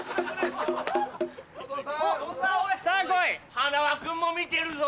花輪君も見てるぞ。